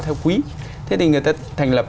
theo quý thế thì người ta thành lập